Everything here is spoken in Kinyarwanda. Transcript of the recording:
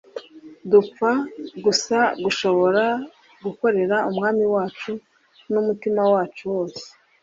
dupfa gusa gushobora gukorera Umwami wacu n'umutima wacu wose.